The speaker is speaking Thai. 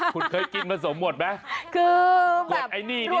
คุณเคยกินผสมหมดไหม